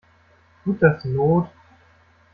Tut das not?